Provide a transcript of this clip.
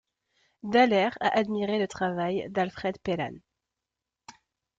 Dallaire a admiré le travail d'Alfred Pellan.